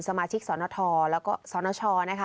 สมาชิกสนทแล้วก็สนชนะคะ